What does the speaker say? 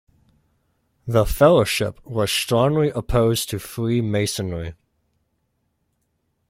The Fellowship was strongly opposed to Freemasonry.